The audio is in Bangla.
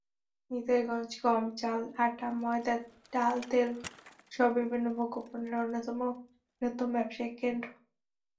নিতাইগঞ্জ গম, চাল, আটা, ময়দা, ডাল, তেলসহ বিভিন্ন ভোগ্যপণ্যের অন্যতম বৃহত্তম ব্যবসায়িক কেন্দ্র।